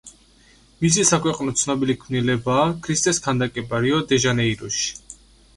მისი საქვეყნოდ ცნობილი ქმნილებაა ქრისტეს ქანდაკება რიო-დე-ჟანეიროში.